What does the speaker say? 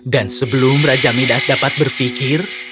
dan sebelum raja midas dapat berfikir